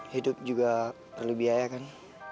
hidup juga perlu biaya kan